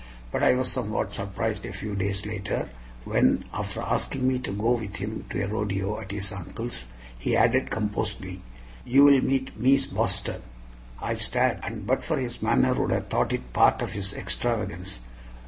But I was somewhat surprised a few days later when, after asking me to go with him to a rodeo at his uncle's he added composedly, "You will meet Mees Boston." I stared, and but for his manner would have thought it part of his extravagance.